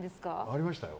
ありましたよ。